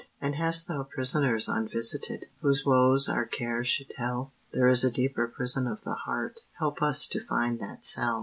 And hast Thou prisoners unvisited, Whose woes our care should tell? There is a deeper prison of the heart; Help us to find that cell.